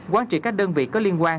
quán trị các đơn vị có liên quan